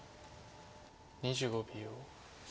２５秒。